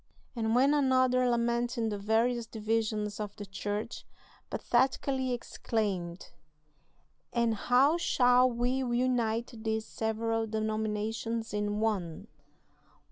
And when another, lamenting the various divisions of the Church, pathetically exclaimed: 'And how shall we unite these several denominations in one?'